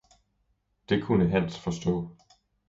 Det kunne Hans forstå.